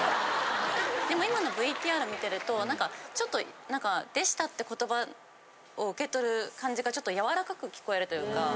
でも今のＶＴＲ見てるとちょっと何か「でした」って言葉を受け取る感じがちょっとやわらかく聞こえるというか。